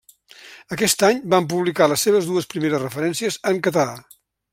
Aquest any van publicar les seves dues primeres referències en català.